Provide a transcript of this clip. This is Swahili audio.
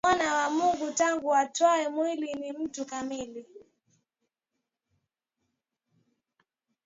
Mwana wa Mungu tangu atwae mwili ni mtu kamili